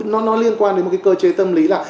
nó liên quan đến một cái cơ chế tâm lý là